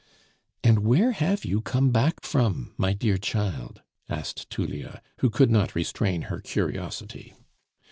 "And where have you come back from, my dear child?" asked Tullia, who could not restrain her curiosity.